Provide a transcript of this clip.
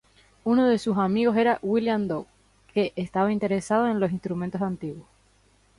Uno de sus amigos era William Dowd, que estaba interesado en los instrumentos antiguos.